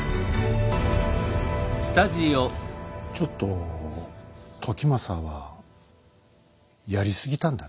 ちょっと時政はやり過ぎたんだね。